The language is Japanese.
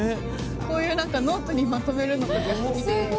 こういうノートにまとめるのとか好きで。